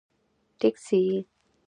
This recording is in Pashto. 🚖 ټکسي